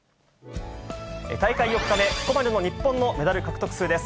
大会４日目、ここまでの日本のメダル獲得数です。